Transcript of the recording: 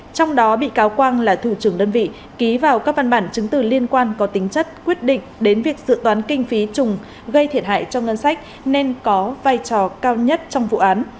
trong đó bị cáo quang là thủ trưởng đơn vị ký vào các văn bản chứng từ liên quan có tính chất quyết định đến việc dự toán kinh phí trùng gây thiệt hại cho ngân sách nên có vai trò cao nhất trong vụ án